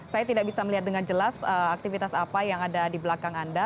saya tidak bisa melihat dengan jelas aktivitas apa yang ada di belakang anda